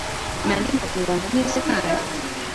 nandi mafunguro unzaniye se kandi